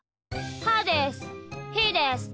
はーです。